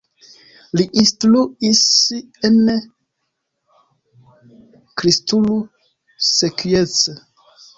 Li instruis en Cristuru Secuiesc.